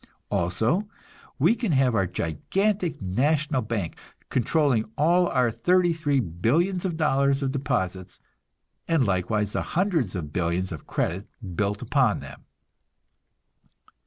Also, we can have our gigantic national bank, controlling all our thirty three billions of dollars of deposits, and likewise the hundreds of billions of credit built upon them.